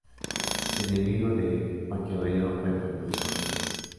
Enemigo de Maquiavelo, fue precursor de Th.